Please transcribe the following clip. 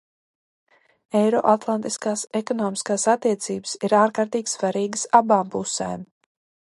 Eiroatlantiskās ekonomiskās attiecības ir ārkārtīgi svarīgas abām pusēm.